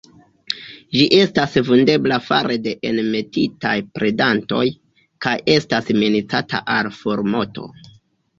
Ĝi estas vundebla fare de enmetitaj predantoj, kaj estas minacata al formorto.